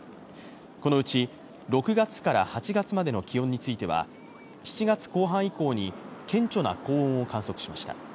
このうち、６月から８月までの気温については７月後半以降に顕著な高温を観測しました。